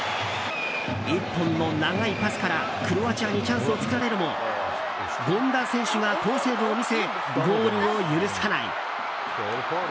１本の長いパスからクロアチアにチャンスを作られるも権田選手が好セーブを見せゴールを許さない。